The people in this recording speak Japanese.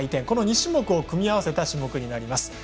この２種目を組み合わせた種目になります。